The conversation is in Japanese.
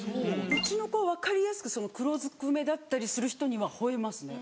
うちの子は分かりやすく黒ずくめだったりする人には吠えますね。